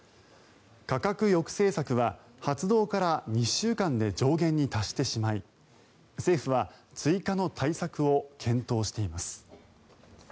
価格抑制策は発動から２週間で上限に達してしまい政府は追加の対策を検討しています。